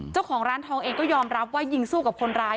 เจ้าของร้านทองเองก็ยอมรับว่ายิงสู้กับคนร้าย